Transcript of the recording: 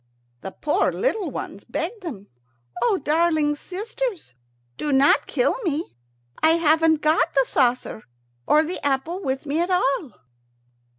The poor little one begged them. "O darling sisters, do not kill me! I haven't got the saucer or the apple with me at all."